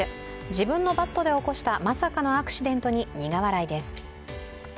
自分のバットで起こした、まさかのアクシデントに苦笑いです。